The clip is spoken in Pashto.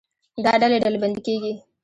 دا ډلې ډلبندي کېږي.